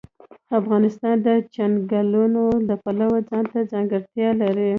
افغانستان د چنګلونه د پلوه ځانته ځانګړتیا لري.